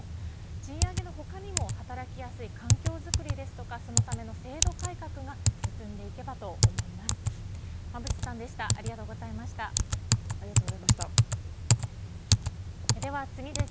賃上げの他にも働きやすい環境づくりですとかそのための制度改革が進んでいけばと思います。